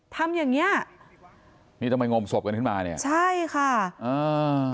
ทำอย่างเงี้ยนี่ต้องไปงมศพกันขึ้นมาเนี่ยใช่ค่ะอ่า